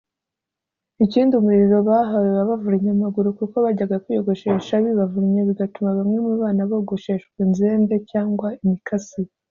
Ikindi umuriro bahawe wabavunnye amaguru kuko bajyaga kwiyogoshesha bibavunnye bigatuma bamwe mu bana bogoshejwa inzembe cyangwa imikasi